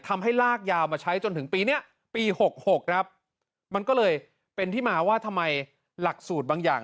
ลากยาวมาใช้จนถึงปีนี้ปี๖๖ครับมันก็เลยเป็นที่มาว่าทำไมหลักสูตรบางอย่าง